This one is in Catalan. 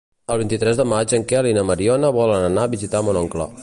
El vint-i-tres de maig en Quel i na Mariona volen anar a visitar mon oncle.